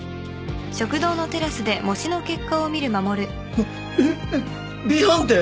あっえっＢ判定？